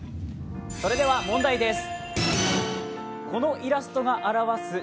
それでは問題です。